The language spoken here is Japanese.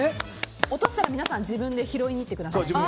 落としたら皆さん自分で拾いに行ってください。